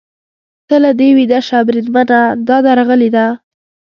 ته له دې ویده شه، بریدمنه، دا درغلي ده.